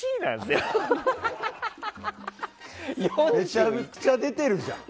めちゃくちゃ出てるじゃん。